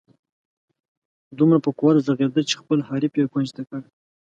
دومره په قوت ږغېده چې خپل حریف یې کونج ته کړ.